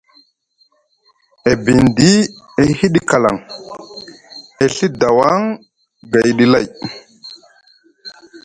E bindi e hiɗi kaalaŋ, e Ɵi dawaŋ gayɗi lay.